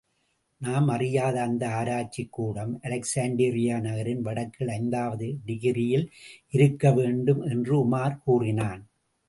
நாம் அறியாத அந்த ஆராய்ச்சிக் கூடம் அலெக்சாண்டிரியா நகரின் வடக்கில் ஐந்தாவது டிகிரியில் இருக்கவேண்டும் என்று உமார் கூறினான்.